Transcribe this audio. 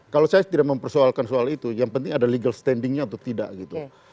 kalau saya tidak mempersoalkan soal itu yang penting ada legal standingnya atau tidak gitu